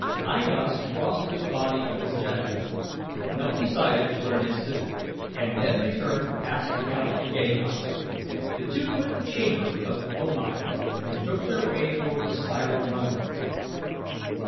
I Gos crossed to the body of his jeddak, knelt beside it for an instant, and then returned past the couch to Gahan. The two quit the chamber of O Mai and took their way toward the spiral runway.